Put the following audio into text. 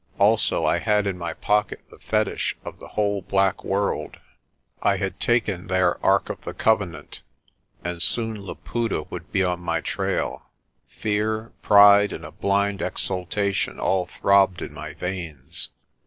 Also I had in my pocket the fetich of the whole black world j I had taken their Ark of the Covenant, and soon Laputa would be on my trail. Fear, pride, and a blind exultation all throbbed in my veins.